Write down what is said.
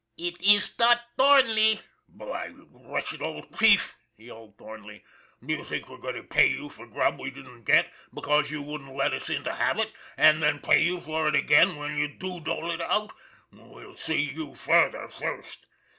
It iss dot Thornley! "" Why, you wretched old thief," yelled Thornley, " do you think we're going to pay you for grub we didn't get, because you wouldn't let us have it, and then pay you for it again when you do dole it out? We'll see you further, first."